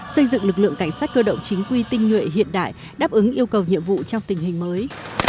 xây dựng lực lượng cảnh sát cơ động chính quy tinh nhuệ hiện đại đáp ứng yêu cầu nhiệm vụ trong tình hình mới